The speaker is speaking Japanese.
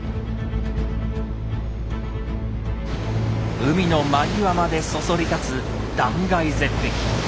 海の間際までそそり立つ断崖絶壁。